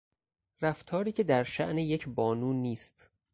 رفتاری که در شان یک بانو نیست